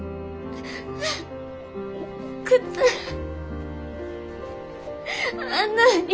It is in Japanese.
靴あんのに。